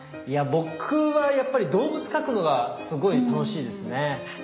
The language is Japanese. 僕はやっぱり動物描くのがすごい楽しいですね。